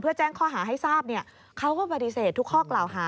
เพื่อแจ้งข้อหาให้ทราบเขาก็ปฏิเสธทุกข้อกล่าวหา